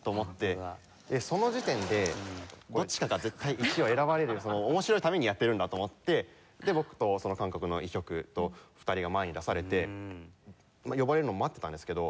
でその時点でどっちかが絶対１位は選ばれる面白いためにやってるんだと思ってで僕と韓国のイ・ヒョクと２人が前に出されて呼ばれるのを待ってたんですけど。